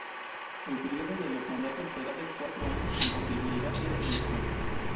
El período de los mandatos será de cuatro años, con posibilidad de reelección.